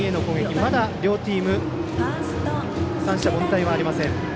まだ両チーム三者凡退はありません。